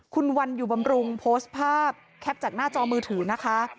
คุณวันอยู่บำรุงโพสต์ภาพแคปจากหน้าจอมือถือนะคะ